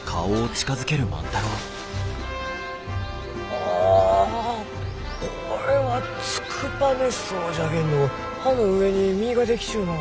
あこれはツクバネソウじゃけんど葉の上に実が出来ちゅうのう。